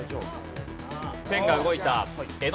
ペンが動いた。